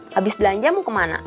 habis belanja mau kemana